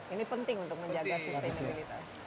ini penting untuk menjaga sistem mobilitas